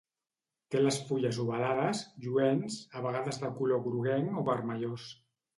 Té les fulles ovalades, lluents, a vegades de color groguenc o vermellós.